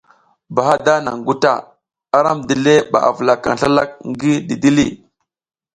Bahada naŋ guta, aram dile ɓa avulakaŋ slalak ngi didili.